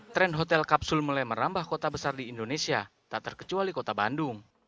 tren hotel kapsul mulai merambah kota besar di indonesia tak terkecuali kota bandung